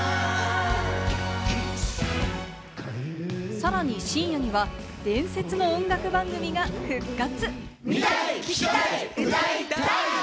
さらに深夜には伝説の音楽番組が復活。